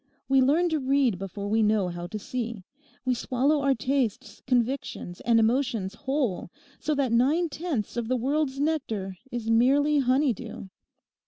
We learn to read before we know how to see; we swallow our tastes, convictions, and emotions whole; so that nine tenths of the world's nectar is merely honeydew.